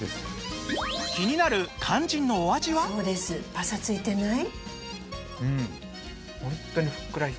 パサついてない？